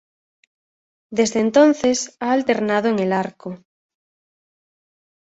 Desde entonces, ha alternado en el arco.